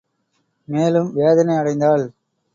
மேலும் வேதனை அடைந்தாள்.